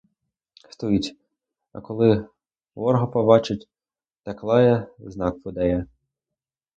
Стоїть, а коли ворога побачить, так лає, знак подає.